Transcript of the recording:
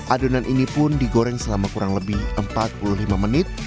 adonan ini pun digoreng selama kurang lebih empat puluh lima menit